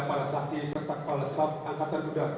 pernah datang ke masjid